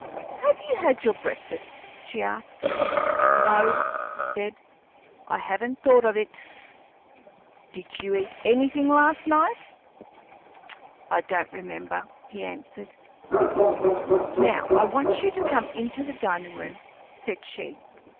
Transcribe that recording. "Have you had your breakfast?" she asked. "No," he said; "I haven't thought of it." "Did you eat anything last night?" "I don't remember," he answered. "Now I want you to come into the dining room," said she.